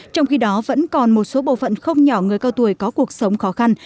trong khi đó vẫn còn một số bộ phận không nhỏ người cao tuổi có cuộc sống khó khăn